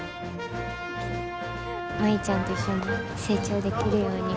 舞ちゃんと一緒に成長できるように。